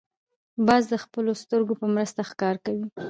باز د خپلو سترګو په مرسته ښکار کوي